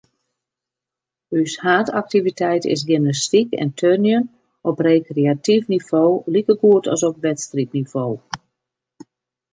Us haadaktiviteit is gymnastyk en turnjen, op rekreatyf nivo likegoed as op wedstriidnivo.